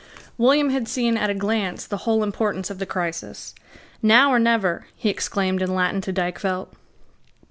William had seen, at a glance, the whole importance of the crisis. "Now or never," he exclaimed in Latin to Dykvelt.